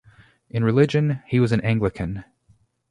In religion, he was an Anglican.